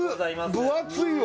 分厚いわ